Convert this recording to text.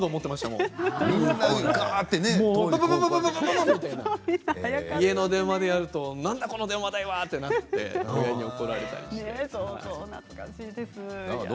もん家の電話でやるとなんだこの電話代はって親に怒られたりして。